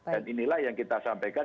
dan inilah yang kita sampaikan